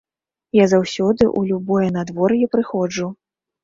Я заўсёды, у любое надвор'е прыходжу.